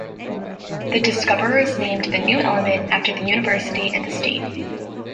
The discoverers named the new element after the university and the state.